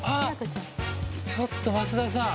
ちょっと増田さん。